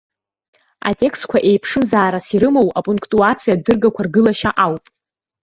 Атекстқәа еиԥшымзаарас ирымоу апунктуациатә дыргақәа ргылашьа ауп.